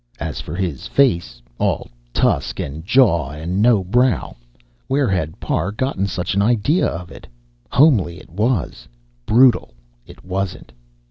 As for his face, all tusk and jaw and no brow, where had Parr gotten such an idea of it? Homely it was, brutal it wasn't....